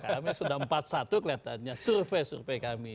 karena sudah empat puluh satu kelihatannya survei survei kami